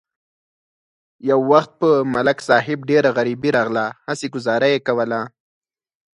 یو وخت په ملک صاحب ډېره غریبي راغله، هسې گذاره یې کوله.